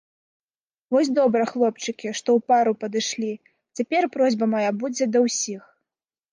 Вось добра, хлопчыкі, што ў пару падышлі, цяпер просьба мая будзе да ўсіх.